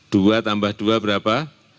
dua tambah dua berapa